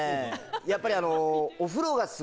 やっぱりあの。